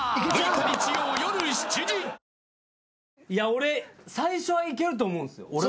俺最初はいけると思うんですよ。